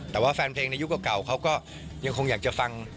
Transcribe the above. แต่ว่าแฟนเพลงในยุคเก่าเขาก็ยังคงอยากจะฟัง